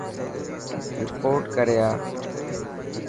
رپورٽ ڪري آءِ.